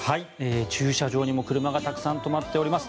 駐車場にも車がたくさん止まっております。